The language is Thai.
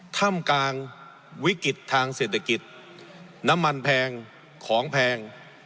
ถ้ำกลางวิกฤตทางเศรษฐกิจน้ำมันแพงของแพง